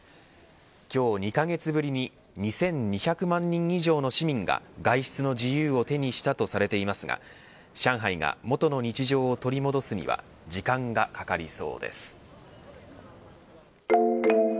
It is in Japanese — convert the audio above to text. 今日２カ月ぶりに２２００万人以上の市民が外出の自由を手にしたとされていますが上海が元の日常を取り戻すには時間がかかりそうです。